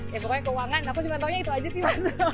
ya pokoknya keuangan aku cuma taunya itu aja sih mas